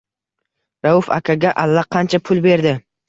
Rauf akaga allaqancha pul berdi.